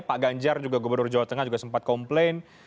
pak ganjar juga gubernur jawa tengah juga sempat komplain